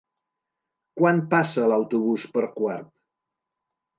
Quan passa l'autobús per Quart?